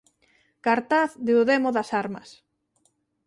Cartaz de O demo das armas.